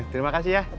terima kasih ya